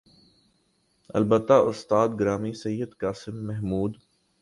البتہ استاد گرامی سید قاسم محمود